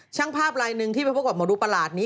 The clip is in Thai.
ช่างภาพลายหนึ่งที่ไปพบกับหมอดูประหลาดนี้